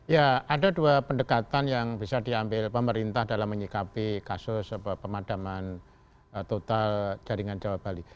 ya ada dua pendekatan yang bisa diambil pemerintah dalam menyikapi kasus pemadaman total jaringan jawa bali